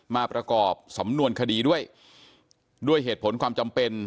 มาประกอบสำนวนคดีด้วยด้วยเหตุผลความจำเป็น